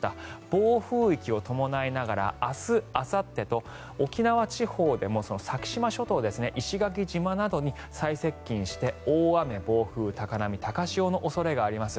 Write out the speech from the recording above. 暴風域を伴いながら明日あさってと沖縄地方でも先島諸島ですね石垣島などに最接近して大雨、暴風高波、高潮の恐れがあります。